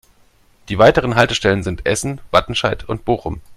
Die weiteren Haltestellen sind Essen, Wattenscheid und Bochum.